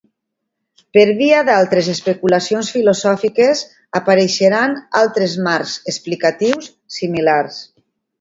Per via d'altres especulacions filosòfiques apareixeran altres marcs explicatius similars.